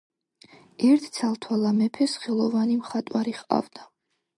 ერთ ცალთვალა მეფეს ხელოვანი მხატვარი ჰყავდა